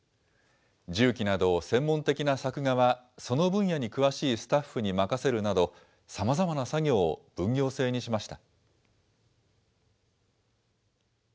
銃器など、専門的な作画はその分野に詳しいスタッフに任せるなど、さまざまや作業を分業制にしました。